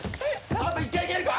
あと１回いけるか？